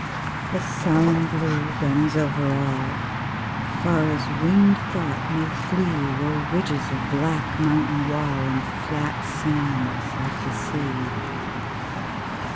The solemn Blue bends over all; Far as winged thought may flee Roll ridges of black mountain wall, And flat sands like the sea.